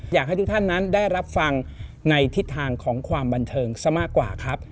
อยากให้ทุกท่านนั้นได้รับฟังในทิศทางของความบันเทิงซะมากกว่าครับ